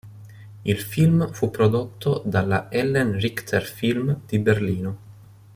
Il film fu prodotto dalla Ellen Richter Film di Berlino.